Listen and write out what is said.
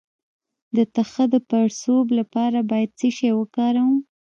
د تخه د پړسوب لپاره باید څه شی وکاروم؟